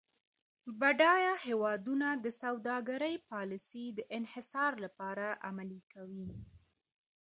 بډایه هیوادونه د سوداګرۍ پالیسي د انحصار لپاره عملي کوي.